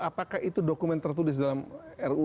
apakah itu dokumen tertulis dalam ruu